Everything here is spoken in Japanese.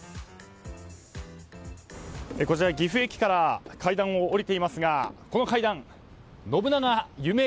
こちら、岐阜駅から階段を下りていますがこの階段、信長ゆめ